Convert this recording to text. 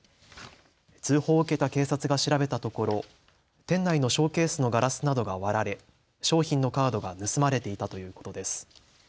通報を受けた警察が調べたところ店内のショーケースのガラスなどが割られ商品のカードが盗まれていたということです。